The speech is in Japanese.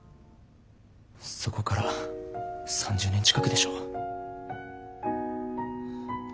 そこから３０年近くでしょ？